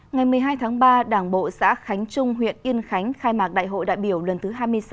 ngày một mươi hai tháng ba đảng bộ xã khánh trung huyện yên khánh khai mạc đại hội đại biểu lần thứ hai mươi sáu